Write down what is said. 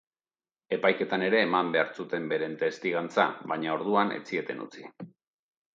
Epaiketan ere eman behar zuten beren testigantza, baina orduan ez zieten utzi.